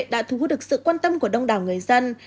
đã thu hút được sự quan tâm của đông đảo người dân